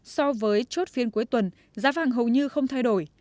so với chốt phiên cuối tuần giá vàng hầu như không thay đổi